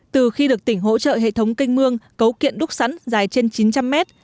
từ khi được tỉnh hỗ trợ hệ thống canh mương cấu kiện đúc sẵn dài trên chín trăm linh mét